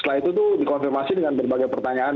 setelah itu tuh dikonfirmasi dengan berbagai pertanyaan